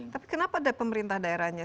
tapi kenapa pemerintah daerahnya